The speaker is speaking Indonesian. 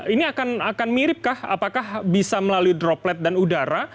ini akan miripkah apakah bisa melalui droplet dan udara